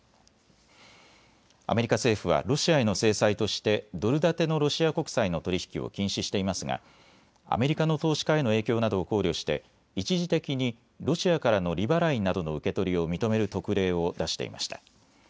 アメリカ政府はロシアへの制裁としてドル建てのロシア国債の取り引きを禁止していますがアメリカの投資家への影響などを考慮して一時的にロシアからの利払いなどの受け取りを認める特例を出していました。